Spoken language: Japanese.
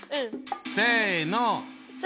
せの！